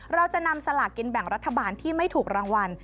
เราจะนำสลากกินแบ่งรัฐบาลที่ไม่ถูกรางวัล